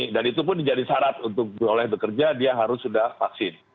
dan itu pun menjadi syarat untuk boleh bekerja dia harus sudah vaksin